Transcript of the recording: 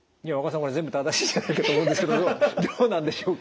これ全部正しいんじゃないかと思うんですけどどうなんでしょうか？